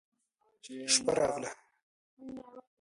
شپه راغله.